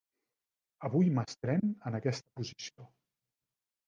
Avui m'estrén en aquesta posició.